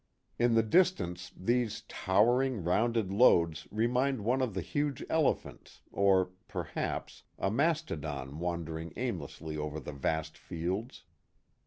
In the distance these tower ing, rounded loads remind one of huge elephants, or, perhaps, a mastodon wandering aimlessly over the vast fields.